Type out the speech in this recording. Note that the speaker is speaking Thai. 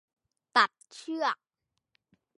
ตัดเชือก